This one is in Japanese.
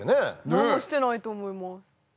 何もしてないと思います。